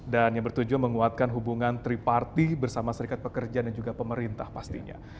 dan yang bertujuan menguatkan hubungan triparti bersama serikat pekerja dan juga pemerintah pastinya